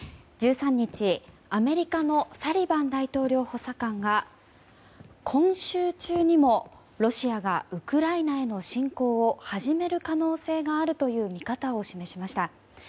１３日、アメリカのサリバン大統領補佐官が今週中にもロシアがウクライナへの侵攻を始める可能性があるという見方を示しました。